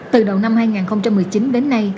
từ đầu năm hai nghìn một mươi chín đến nay